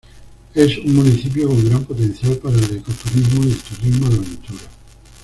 Es un municipio con gran potencial para el ecoturismo y el turismo de aventura.